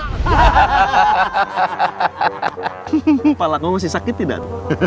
kepala kamu masih sakit tidak